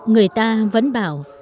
người ta vẫn bảo